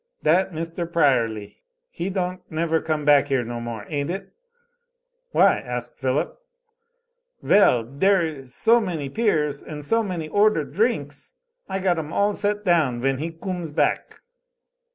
Dat Mister Prierly, he don't never come back here no more, ain't it?" "Why?" asked Philip. "Vell, dere is so many peers, and so many oder dhrinks, I got 'em all set down, ven he coomes back."